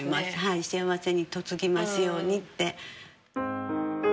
幸せに嫁ぎますようにって。